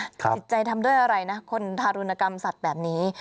จิตใจทำด้วยอะไรนะคนทารุณกรรมสัตว์แบบนี้